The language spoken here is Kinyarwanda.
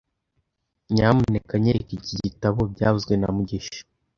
Nyamuneka nyereka iki gitabo byavuzwe na mugisha